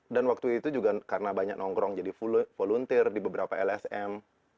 dan waktu itu juga karena banyak nongkrong jadi volunteer di beberapa lsm